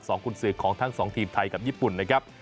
กุญสือของทั้งสองทีมไทยกับญี่ปุ่นนะครับ